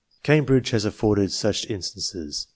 Cambridge has afforded such instances.